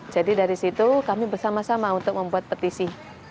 jadi dari situ kami bersama sama untuk membuat petisi